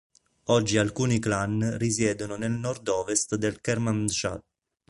Oggi alcuni clan risiedono nel nord-ovest del Kermanshah.